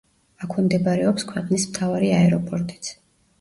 აქვე მდებარეობს ქვეყნის მთავარი აეროპორტიც.